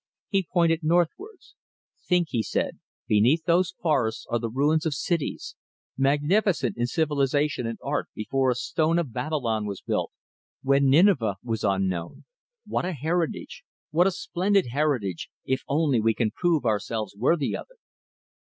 He pointed northwards. "Think," he said, "beneath those forests are the ruins of cities, magnificent in civilization and art before a stone of Babylon was built, when Nineveh was unknown. What a heritage! What a splendid heritage, if only we can prove ourselves worthy of it!"